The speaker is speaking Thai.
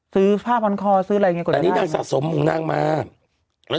ซื้อผ้าบอนคอซื้ออะไรเหมือนกันอันนี้นางศาสมหนูนางมาแล้ว